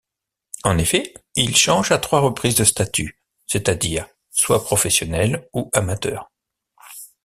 En effet, il change à trois reprises de statut, c'est-à-dire soit professionnel ou amateur.